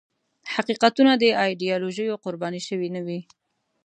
حقیقتونه د ایدیالوژیو قرباني شوي نه وي.